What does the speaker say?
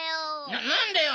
ななんだよ。